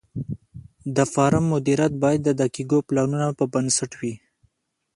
د فارم مدیریت باید د دقیقو پلانونو پر بنسټ وي.